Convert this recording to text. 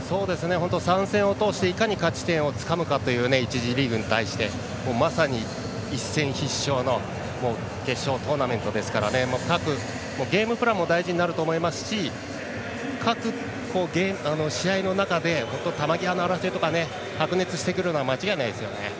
３戦を通していかに勝ち点をつかむかという１次リーグに対してまさに一戦必勝の決勝トーナメントですから各ゲームプランも大事になると思いますし各試合の中で球際の争いとかが白熱してくるのは間違いないですよね。